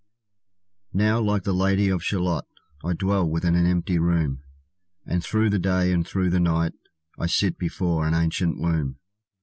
Now like the Lady of Shalott, I dwell within an empty room, And through the day and through the night I sit before an ancient loom.